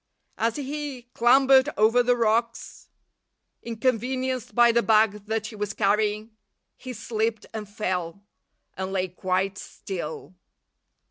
As he clambered over the rocks, inconvenienced by the bag that he was carrying, he slipped and fell, and lay quite still.